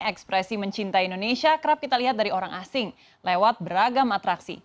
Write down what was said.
ekspresi mencinta indonesia kerap kita lihat dari orang asing lewat beragam atraksi